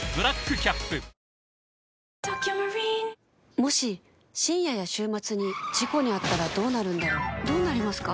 もし深夜や週末に事故に遭ったらどうなるんだろうどうなりますか？